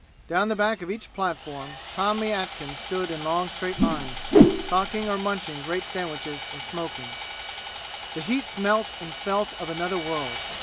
Down the back of each platform Tommy Atkins stood in long straight lines, talking or munching great sandwiches or smoking. The heat smelt and felt of another world.